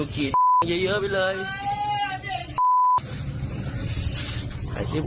ก็ได้พลังเท่าไหร่ครับ